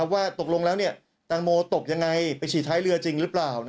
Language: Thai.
ว่าตกลงแล้วแตงโมตกยังไงไปฉีดท้ายเรือจริงหรือเปล่า